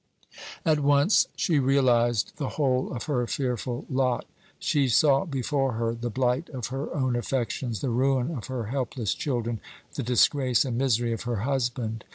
At once she realized the whole of her fearful lot. She saw before her the blight of her own affections, the ruin of her helpless children, the disgrace and misery of her husband.